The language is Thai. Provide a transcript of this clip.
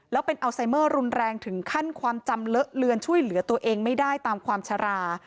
แล้วเป็นอัลไซเมอร์รุนแรงถึงขั้นความจำเลอะเลือนช่วยเหลือตัวเองไม่ได้ตามความชะลา